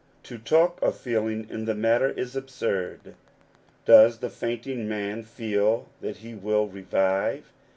To talk of feeling in the matter is absurd. Does the fainting man feel that he will revive